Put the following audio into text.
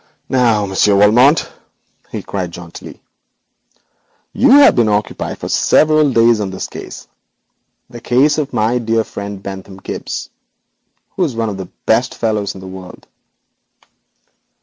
'Now, Monsieur Valmont,' he cried jauntily, 'you have been occupied for several days on this case, the case of my dear friend Bentham Gibbes, who is one of the best fellows in the world.'